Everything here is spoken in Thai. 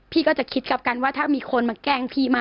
พี่ก็จะคิดกลับกันว่าถ้ามีคนมาแกล้งพี่มา